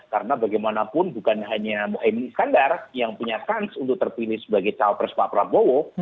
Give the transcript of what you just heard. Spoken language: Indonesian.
karena bagaimanapun bukan hanya mbak emine iskandar yang punya kans untuk terpilih sebagai cawa pres pak prabowo